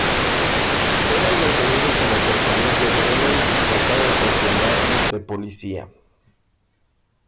Fueron detenidos en las cercanías de Bremen disfrazados de gendarmes de Policía.